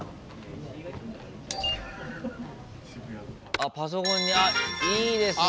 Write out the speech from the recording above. あパソコンにあっいいですね！